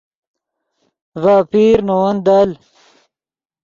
ڤے اپیر نے ون دل